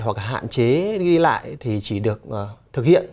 hoặc là hạn chế đi lại thì chỉ được thực hiện